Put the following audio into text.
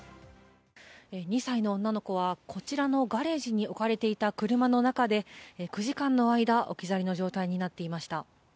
２歳の女の子はこちらのガレージに置かれていた車の中で９時間の間置き去りの状態になっていました。